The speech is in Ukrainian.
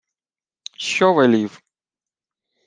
— Що велів?